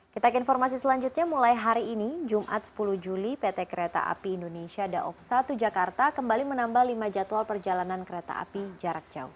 kita ke informasi selanjutnya mulai hari ini jumat sepuluh juli pt kereta api indonesia daob satu jakarta kembali menambah lima jadwal perjalanan kereta api jarak jauh